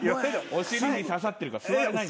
お尻にささってるから座れない。